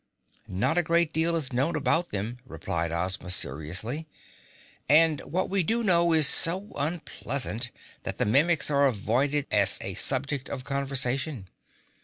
"Not a great deal is known about them," replied Ozma seriously, "and what we do know is so unpleasant that the Mimics are avoided as a subject of conversation.